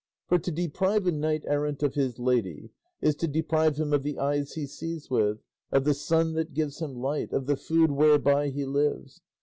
For to deprive a knight errant of his lady is to deprive him of the eyes he sees with, of the sun that gives him light, of the food whereby he lives.